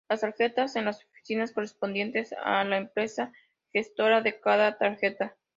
Las tarjetas en las oficinas correspondientes a la empresa gestora de cada tarjeta.